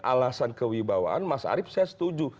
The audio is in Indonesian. alasan kewibawaan mas arief saya setuju